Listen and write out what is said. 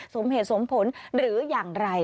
สมเหตุสมผลหรืออย่างไร